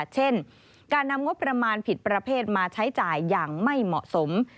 เช่นการนำงบประมาณผิดประเภทมาใช้จ่ายอย่างไม่เหมาะสม